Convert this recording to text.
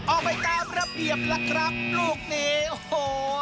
ออกไปตามระเบียบแล้วครับลูกนี้โอ้โฮ